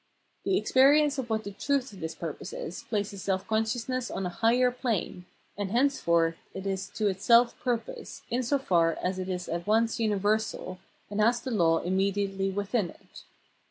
The experience of what the truth of this purpose is, places self consciousness on a higher plane, and henceforth it is to itself purpose, in so far as it is at once universal, and has the law immediately within it.